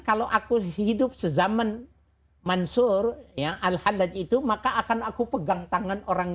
kalau aku hidup sezaman mansur ya al hadad itu maka akan aku pegang tangan orang